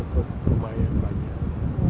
cukup lumayan banyak